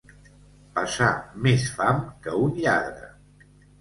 Passar més fam que un lladre.